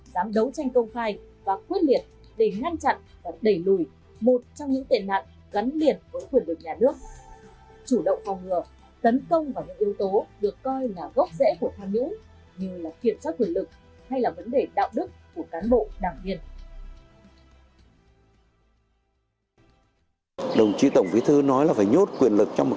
dám đấu tranh công khai và quyết liệt để ngăn chặn và đẩy lùi một trong những tệ nạn gắn liền với quyền lực nhà nước